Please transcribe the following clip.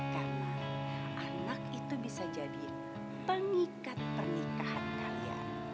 karena anak itu bisa jadi pengikat pernikahan kalian